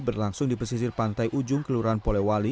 berlangsung di pesisir pantai ujung kelurahan polewali